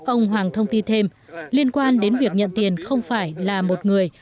ông hoàng thông tin thêm liên quan đến việc nhận tiền không phải là một người